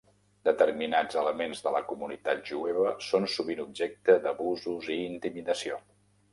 Determinats elements de la comunitat jueva són sovint objecte d'abusos i intimidació.